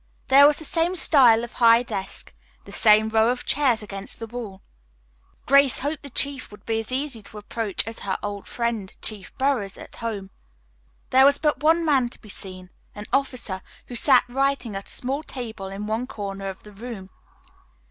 There was the same style of high desk, the same row of chairs against the wall. Grace hoped the chief would be as easy to approach as was her old friend, Chief Burroughs, at home. There was but one man to be seen, an officer, who sat writing at a small table in one corner of the room.